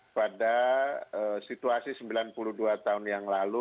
pada situasi sembilan puluh dua tahun yang lalu